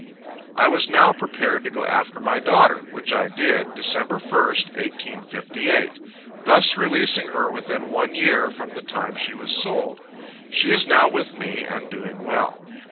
I was now prepared to go after my daughter, which I did, December 1st, 1858; thus releasing her within one year from the time she was sold. She is now with me, and doing well.